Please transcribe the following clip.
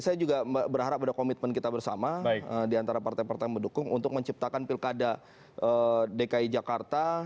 saya juga berharap ada komitmen kita bersama diantara partai partai yang mendukung untuk menciptakan pilkada dki jakarta